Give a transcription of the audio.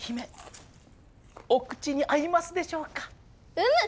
うむ！